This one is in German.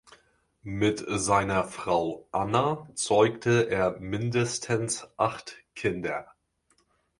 Mit seiner Frau Anna zeugte er mindestens acht Kinder.